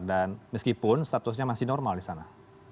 dan meskipun statusnya masih normal di sana